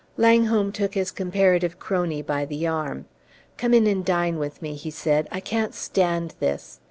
Langholm took his comparative crony by the arm. "Come in and dine with me," he said; "I can't stand this!